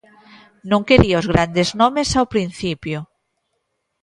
Non quería os grandes nomes ao principio.